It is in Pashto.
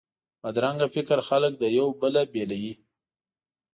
بدرنګه فکر خلک له یو بل بیلوي